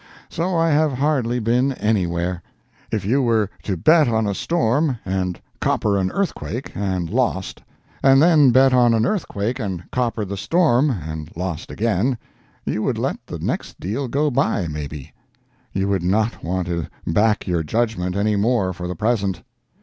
So I have hardly been anywhere. If you were to bet on a storm and "copper" an earthquake, and lost; and then bet on an earthquake and "coppered" the storm, and lost again, you would let the next deal go by, maybe. You would not want to back your judgment any more for the present.